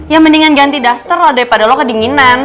ya mendingan ganti duster loh daripada lo kedinginan